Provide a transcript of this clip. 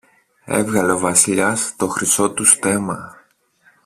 Έβγαλε ο Βασιλιάς το χρυσό του στέμμα